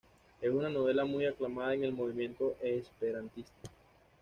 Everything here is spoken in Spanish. Es una novela muy aclamada en el movimiento esperantista.